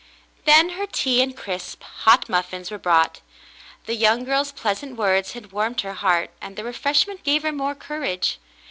Then her tea and crisp, hot muffins were brought. The young girl's pleasant words had warmed her heart, and the refreshment gave her more courage.